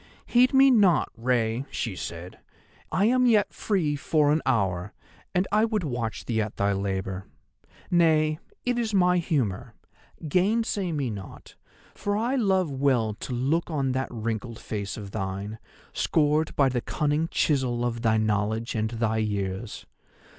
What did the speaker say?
"'Heed me not, Rei,' she said, 'I am yet free for an hour; and I would watch thee at thy labour. Nay, it is my humour; gainsay me not, for I love well to look on that wrinkled face of thine, scored by the cunning chisel of thy knowledge and thy years.